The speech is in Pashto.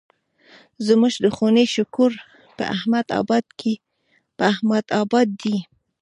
زموږ د خونې شکور په احمد اباد دی.